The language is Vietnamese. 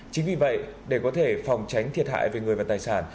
chính vì vậy để có thể phòng tránh thiệt hại về người và tài sản